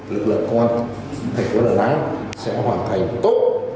lực lượng công an thành phố đà nẵng sẽ hoàn thành tốt